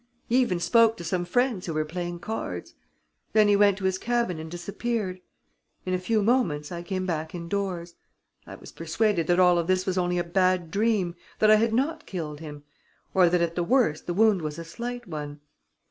He even spoke to some friends who were playing cards. Then he went to his cabin and disappeared.... In a few moments, I came back indoors. I was persuaded that all of this was only a bad dream ... that I had not killed him ... or that at the worst the wound was a slight one.